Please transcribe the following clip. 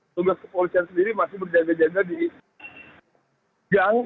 tugas kepolisian sendiri masih berjaga jaga di gang